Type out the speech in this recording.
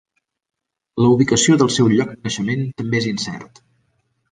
La ubicació del seu lloc de naixement també és incert.